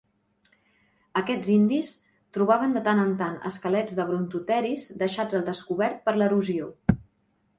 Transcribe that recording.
Aquests indis trobaven de tant en tant esquelets de brontoteris deixats al descobert per l'erosió.